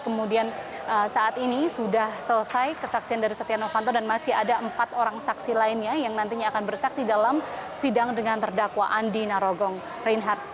kemudian saat ini sudah selesai kesaksian dari setia novanto dan masih ada empat orang saksi lainnya yang nantinya akan bersaksi dalam sidang dengan terdakwa andi narogong reinhardt